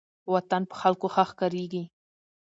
وطن په خلکو ښه ښکاریږي.